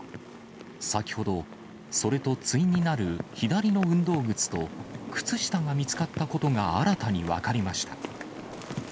先ほど、それと対になる左の運動靴と靴下が見つかったことが新たに分かりました。